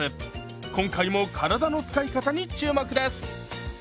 今回も体の使い方に注目です！